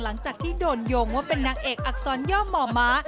หลังจากที่โดนโยงว่าเป็นนางเอกอักษรย่อมหมอม้า